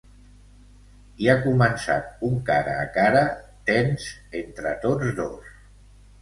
I ha començat un cara a cara tens entre tots dos.